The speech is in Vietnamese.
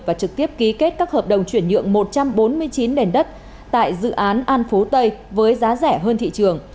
và trực tiếp ký kết các hợp đồng chuyển nhượng một trăm bốn mươi chín nền đất tại dự án an phú tây với giá rẻ hơn thị trường